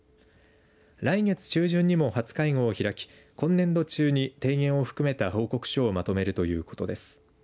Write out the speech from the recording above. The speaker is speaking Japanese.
来月中旬にも初会合を開き今年度中に提言を含めた報告書をまとめるということです。